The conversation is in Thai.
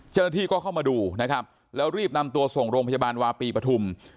เจ้าหน้าที่ก็เข้ามาดูนะครับแล้วรีบนำตัวส่งโรงพยาบาลวาปีปฐุม